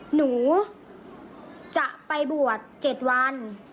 หนูจะไปบวช๗วัน